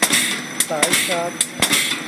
สายชาร์จ